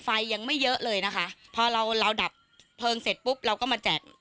ไฟยังไม่เยอะเลยนะคะพอเราเราดับเพลิงเสร็จปุ๊บเราก็มาแจก